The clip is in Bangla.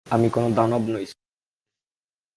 আমি কোনো দানব নই, স্টিফেন।